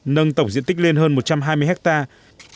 nâng tổng diện tích lên hơn một trăm hai mươi hectare